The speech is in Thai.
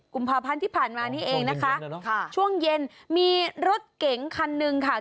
กุมภาพันธ์ที่ผ่านมานี่เองนะคะช่วงเย็นมีรถเก๋งคันหนึ่งค่ะ